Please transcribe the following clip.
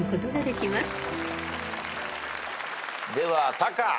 ではタカ。